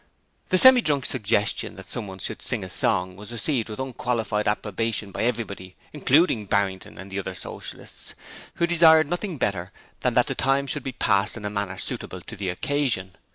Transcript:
The Semi drunk's suggestion that someone should sing a song was received with unqualified approbation by everybody, including Barrington and the other Socialists, who desired nothing better than that the time should be passed in a manner suitable to the occasion.